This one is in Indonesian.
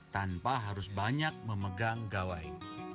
tanpa harus banyak memegang gawai